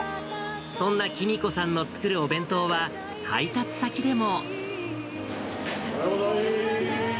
そんな喜美子さんの作るお弁当は、配達先でも。